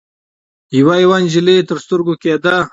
يوه يوه نجلۍ تر سترګو کېده.